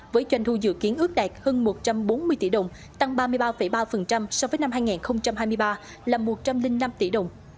với doanh thu dự kiến ước đạt hơn một trăm bốn mươi tỷ đồng tăng ba mươi ba ba so với năm hai nghìn hai mươi ba là một trăm linh năm tỷ đồng